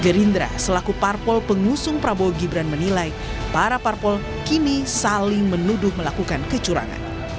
gerindra selaku parpol pengusung prabowo gibran menilai para parpol kini saling menuduh melakukan kecurangan